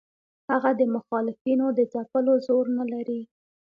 هغه د مخالفینو د ځپلو زور نه لري.